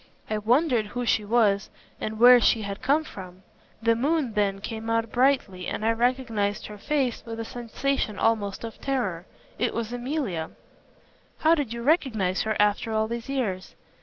I wondered who she was and where she had come from. The moon then came out brightly, and I recognized her face with a sensation almost of terror. It was Emilia." "How did you recognize her after all these years?"